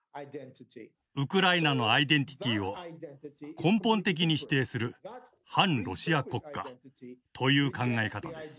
ウクライナのアイデンティティーを根本的に否定する「汎ロシア国家」という考え方です。